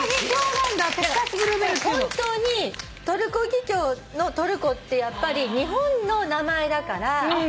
本当にトルコギキョウのトルコってやっぱり日本の名前だから。